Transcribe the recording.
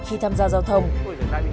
khi tham gia một cuộc chiến đấu